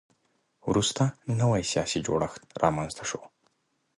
وروسته نوی سیاسي جوړښت رامنځته شو.